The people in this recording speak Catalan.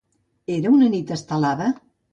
Era una nit estelada?